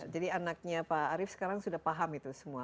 jadi anaknya pak arief sekarang sudah paham itu semua